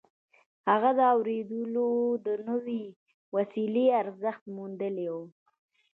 هغه د اورېدلو د نوې وسيلې ارزښت موندلی و.